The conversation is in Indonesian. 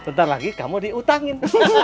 ntar lagi kamu diutangin